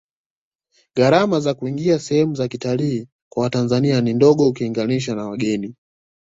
gharama za kuingia sehemu za kitalii kwa watanzania ni ndogo ukilinganisha na wageni